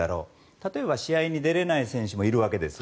例えば、試合に出られない選手もいるわけです。